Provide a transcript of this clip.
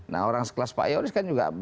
nah orang sekelas pak yoris kan juga